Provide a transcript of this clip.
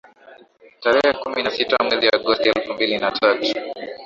tarehe kumi na sita mwezi Agosti elfu mbili na tatu